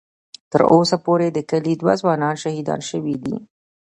ـ تر اوسه پورې د کلي دوه ځوانان شهیدان شوي دي.